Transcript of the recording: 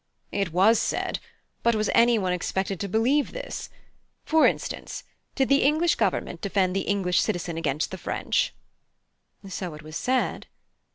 (H.) It was said; but was anyone expected to believe this? For instance, did the English Government defend the English citizen against the French? (I) So it was said.